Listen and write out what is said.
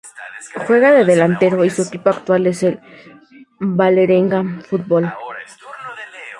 Juega de delantero y su equipo actual es el Vålerenga Fotball.